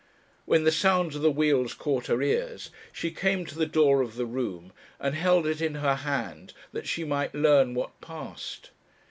When the sound of the wheels caught her ears, she came to the door of the room and held it in her hand that she might learn what passed.